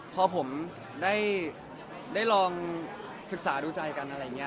พอผมได้ลองศึกษาดูใจกันอะไรอย่างนี้